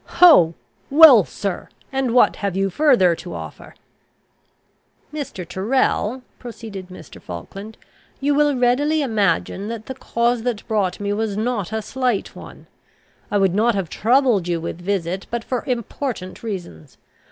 "Ho! Well, sir: and what have you further to offer?" "Mr. Tyrrel," proceeded Mr. Falkland, "you will readily imagine that the cause that brought me was not a slight one. I would not have troubled you with a visit, but for important reasons.